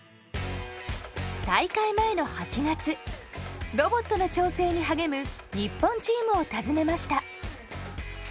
大会前の８月ロボットの調整に励む日本チームを訪ねました。